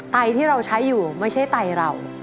ไตที่เราใช้อยู่ไม่ใช่ไตเรา